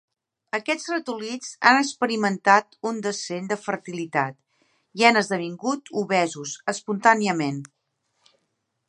Aquests ratolins han experimentat un descens de fertilitat i han esdevingut obesos espontàniament.